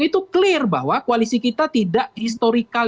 itu clear bahwa koalisi kita tidak historical